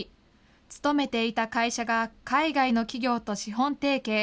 勤めていた会社が海外の企業と資本提携。